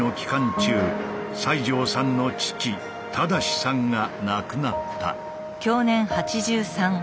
中西城さんの父正さんが亡くなった。